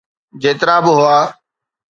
جيترا به هئا.